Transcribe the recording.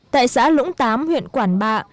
tại xã lũng tám huyện quảng bạ